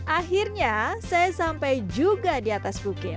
akhirnya saya sampai juga di atas bukit